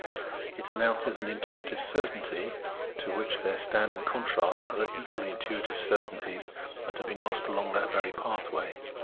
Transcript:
It announces an intuitive certainty, to which there stand in contrast other equally intuitive certainties that have been lost along that very pathway.